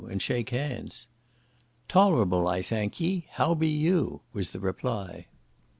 and shake hands. "Tolerable, I thank ye, how be you?" was the reply.